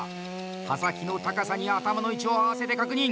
刃先の高さに頭の位置を合わせて確認。